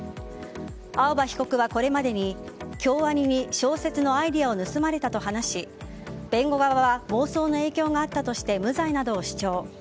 青葉被告はこれまでに京アニに小説のアイデアを盗まれたと話し弁護側は妄想の影響があったとして無罪などを主張。